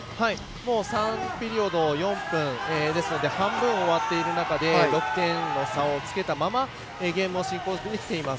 ３ピリオド４分半分終わっている中で６点の差をつけたままゲームを進行できています。